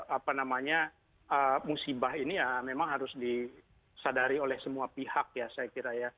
apa namanya musibah ini ya memang harus disadari oleh semua pihak ya saya kira ya